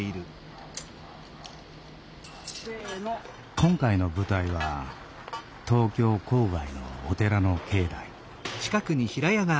今回の舞台は東京郊外のお寺の境内。